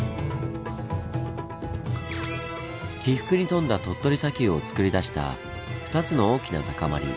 起伏に富んだ鳥取砂丘をつくり出した２つの大きな高まり。